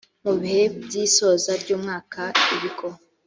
Mu bihe by’isoza ry’umwaka ibigo